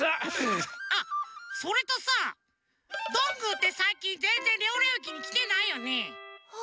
あっそれとさどんぐーってさいきんぜんぜんレオレオ駅にきてないよね？